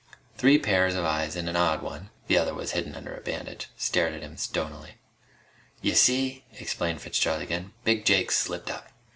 Three pairs of eyes and an odd one the other was hidden under a bandage stared at him stonily. "Y'see," explained Fitzgerald again, "Big Jake's slipped up.